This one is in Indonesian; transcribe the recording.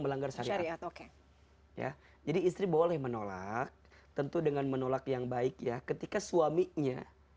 melanggar syariat oke ya jadi istri boleh menolak tentu dengan menolak yang baik ya ketika suaminya